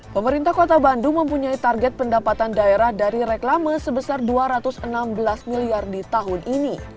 pemerintah kota bandung mempunyai target pendapatan daerah dari reklame sebesar dua ratus enam belas miliar di tahun ini